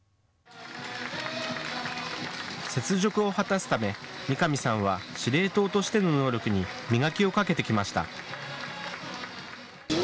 雪辱を果たすため三上さんは司令塔としての能力に磨きをかけてきました。